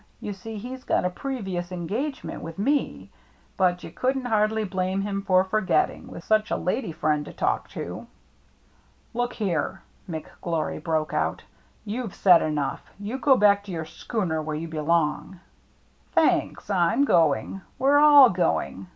You see he's got a previous engagement with me. But you couldn't hardly blame him for forgetting, with such a lady friend to talk to." " Look here," McGlory broke out; "you've said enough. You go back to your schooner where you belong !" "Thanks, I'm going. We're all going.